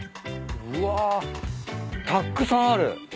たっくさんある。